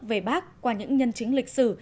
về bác qua những nhân chứng lịch sử